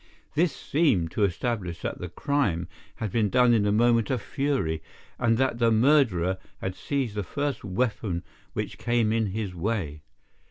This seemed to establish that the crime had been done in a moment of fury, and that the murderer had seized the first weapon which came in his way.